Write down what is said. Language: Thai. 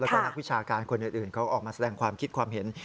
แล้วก็นักวิชาการคนอื่นเขาออกมาแสดงความคิดความเห็น